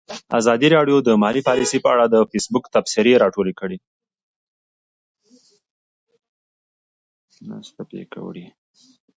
ازادي راډیو د مالي پالیسي په اړه د فیسبوک تبصرې راټولې کړي.